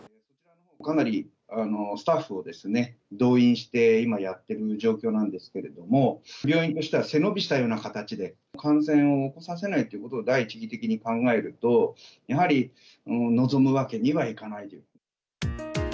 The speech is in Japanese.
かなりスタッフをですね、動員して、今やってる状況なんですけれども、病院としては背伸びしたような形で、感染を起こさせないということを第一義的に考えると、やはりのぞむわけにはいかないという。